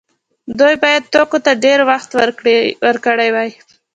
دوی باید توکو ته ډیر وخت ورکړی وای.